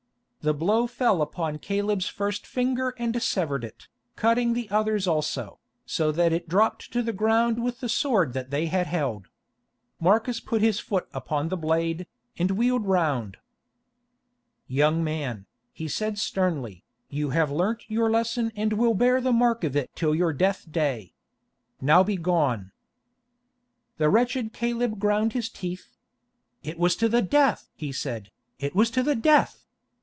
The blow fell upon Caleb's first finger and severed it, cutting the others also, so that it dropped to the ground with the sword that they had held. Marcus put his foot upon the blade, and wheeled round. "Young man," he said sternly, "you have learnt your lesson and will bear the mark of it till your death day. Now begone." The wretched Caleb ground his teeth. "It was to the death!" he said, "it was to the death!